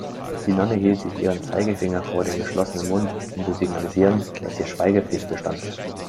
Die Nonne hielt sich ihren Zeigefinger vor den geschlossenen Mund, um zu signalisieren, dass hier Schweigepflicht bestand.